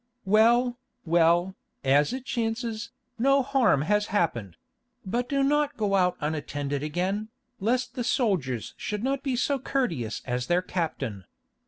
"Well, well, as it chances, no harm has happened; but do not go out unattended again, lest the soldiers should not be so courteous as their captain.